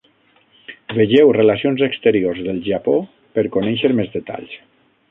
Vegeu Relacions exteriors del Japó per conèixer més detalls.